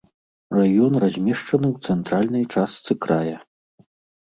Раён размешчаны ў цэнтральнай частцы края.